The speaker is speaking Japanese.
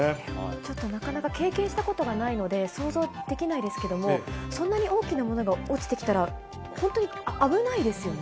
ちょっとなかなか経験したことがないので、想像できないですけれども、そんなに大きなものが落ちてきたら、本当に危ないですよね。